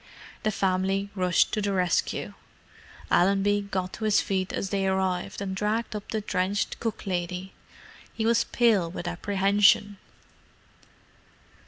The family rushed to the rescue. Allenby got to his feet as they arrived, and dragged up the drenched cook lady. He was pale with apprehension.